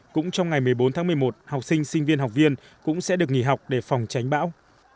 cũng trong ngày một mươi bốn tháng một mươi một học sinh sinh viên học viên cũng sẽ được nghỉ học để phòng tránh bão